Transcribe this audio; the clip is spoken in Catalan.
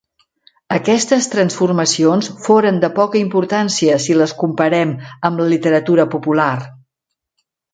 Aquestes transformacions foren de poca importància si les comparem amb la literatura popular.